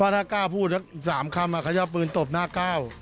ถ้ากล้าพูดสัก๓คำเขาจะเอาปืนตบหน้าก้าว